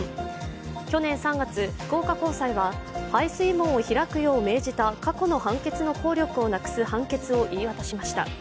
０去年３月、福岡高裁は排水門を開くよう命じた過去の判決の効力をなくす判決を言い渡しました。